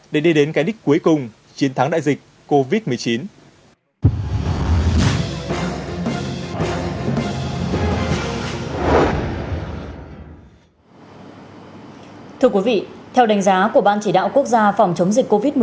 để đi đến cái đích cuối cùng